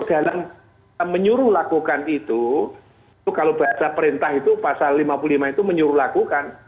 dalam menyuruh lakukan itu itu kalau bahasa perintah itu pasal lima puluh lima itu menyuruh lakukan